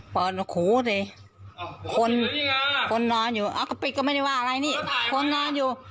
เปิดหูสิคนคนนอนอยู่เอากะปิก็ไม่ได้ว่าอะไรนี่คนนอนอยู่